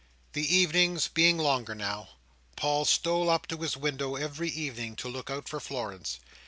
The evenings being longer now, Paul stole up to his window every evening to look out for Florence.